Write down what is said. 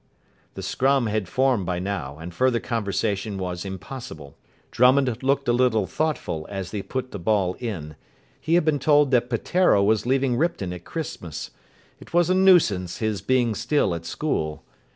The scrum had formed by now, and further conversation was impossible. Drummond looked a little thoughtful as he put the ball in. He had been told that Peteiro was leaving Ripton at Christmas. It was a nuisance his being still at school.